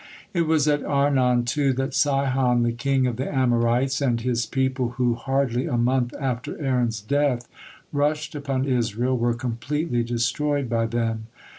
It was at Arnon, too, that Sihon, the king of the Amorites, and his people who, hardly a month after Aaron's death, rushed upon Israel, were completely destroyed by them.